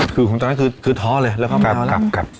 คือคงต้องก็คือท้อเลยแล้วพร้อมกลับ